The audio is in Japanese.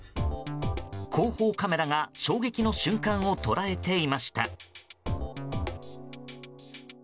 後方カメラが衝撃の瞬間を捉えていました。